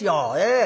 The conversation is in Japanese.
ええ。